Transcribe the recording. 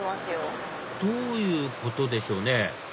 どういうことでしょうね？